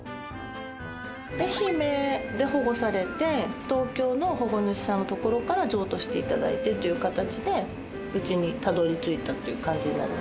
愛媛で保護されて東京の保護主さんの所から譲渡していただいてという形でうちにたどりついたという感じになります。